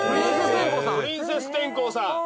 プリンセス天功さん。